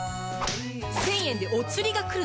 １０００円でお釣りがくるのよ！